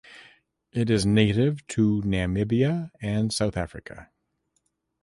It is native to Namibia and South Africa.